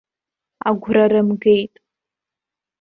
Агәра рымгеит.